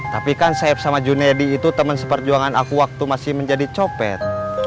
tapi kan saib sama junaedi itu temen seperjuangan aku waktu masih menjadi copet